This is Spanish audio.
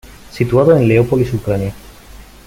Situado en Leópolis Ucrania.